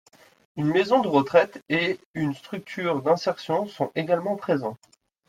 Une maison de retraite et une structure d'insertion sont également présents.